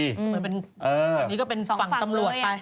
อันนี้ก็เป็นฝั่งตำรวจไป